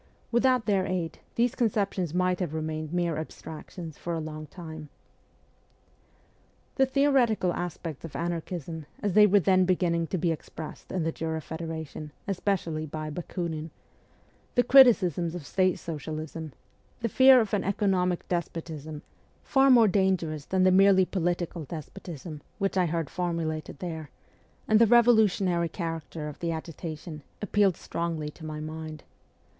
Without their aid, these conceptions might have remained mere abstractions for a long time. The theoretical aspects of anarchism, as they were FIKST JOURNEY ABROAD 73 then beginning to be expressed in the Jura Federation, especially by Bakunin ; the criticisms of state socialism the fear of an economic despotism, far more dan gerous than the merely political despotism which 1 heard formulated there ; and the revolutionary character of the agitation, appealed strongly to my mind.